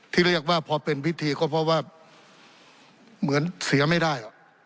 ที่เรียกว่าพอเป็นพิธีก็เพราะว่าเหมือนเสียไม่ได้หรอก